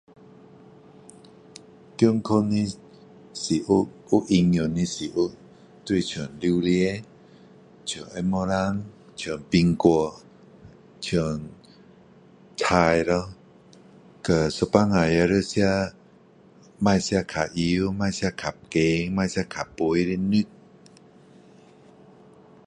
健康的食物有营养的食物就像榴莲像红毛丹像苹果像菜咯和有时候也要吃不吃太油不吃太咸不吃太肥的肉